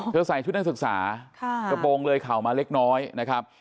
ใส่ชุดนักศึกษากระโปรงเลยเข่ามาเล็กน้อยนะครับ